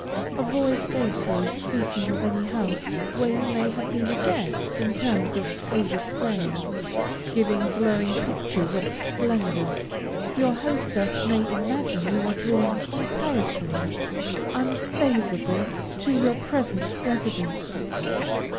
Avoid also speaking of any house where you may have been a guest in terms of overpraise, giving glowing pictures of its splendor. Your hostess may imagine you are drawing comparisons unfavorable to your present residence.